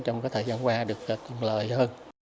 trong cái thời gian qua được thuận lợi hơn